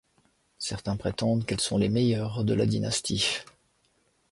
Certains prétendent qu'elles sont les meilleures de la dynastie.